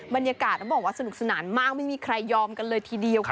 บรรยากาศต้องบอกว่าสนุกสนานมากไม่มีใครยอมกันเลยทีเดียวค่ะ